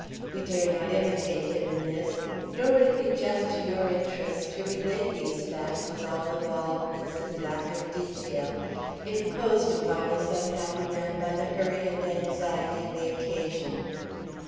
We dare not imitate him in this, nor would it be just to your interest to relate these facts with all the baldness and lack of detail imposed upon this unhappy man by the hurry and anxiety of the occasion.